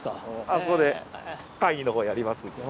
あそこで会議のほうやりますんで。